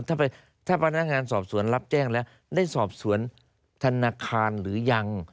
ถ้าพนักงานสอบสวนรับแจ้งแล้วได้สอบสวนธนาคารหรือยัง